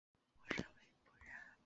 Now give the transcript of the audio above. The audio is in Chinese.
我认为不然。